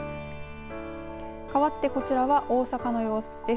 かわってこちらは大阪の様子です。